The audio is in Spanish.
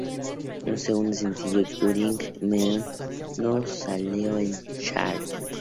Su segundo sencillo, "Turning Me On", no salió en los charts.